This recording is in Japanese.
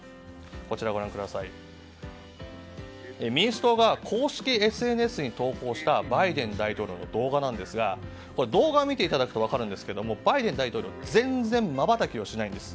こちらは民主党が公式ＳＮＳに投稿したバイデン大統領の動画なんですが動画を見ていただくと分かるようにバイデン大統領、全然まばたきをしないんです。